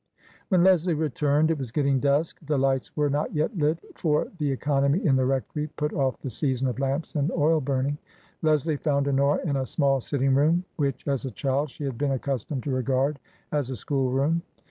When Leslie returned it was getting dusk. The lights were not yet lit ; for the economy in the rectory put oflf the season of lamps and oil burning. Leslie found Honora in a small sitting room, which, as a child, she had been accustomed to regard as a school room.